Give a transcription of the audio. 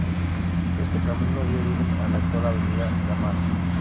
Este camino dio origen a la actual avenida Gamarra.